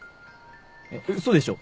えっ嘘でしょ？